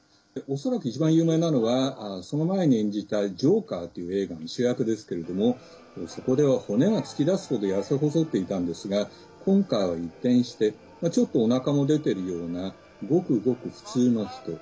恐らく、一番有名なのはその前に演じた「ジョーカー」という映画の主役ですけれどもそこでは骨が突き出すほど痩せ細っていたんですが今回は、一転してちょっと、おなかも出てるようなごくごく普通の人。